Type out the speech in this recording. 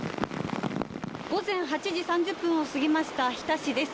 午前８時３０分を過ぎました日田市です。